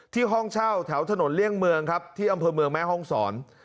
ห้องเช่าแถวถนนเลี่ยงเมืองครับที่อำเภอเมืองแม่ห้องศร